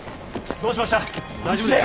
どうしました？